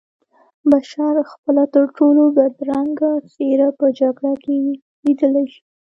بشر خپله ترټولو بدرنګه څېره په جګړه کې لیدلی شي